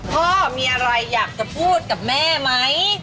พ่อมีอะไรอยากจะพูดกับแม่ไหม